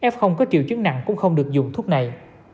f có triệu chứng nặng cũng không được dùng thuốc này